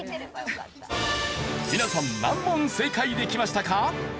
皆さん何問正解できましたか？